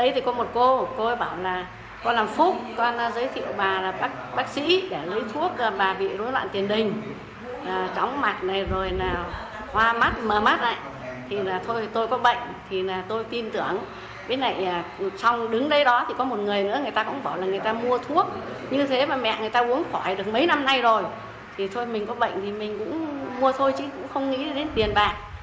thì thôi mình có bệnh thì mình cũng mua thôi chứ cũng không nghĩ đến tiền bạc